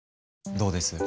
どうです？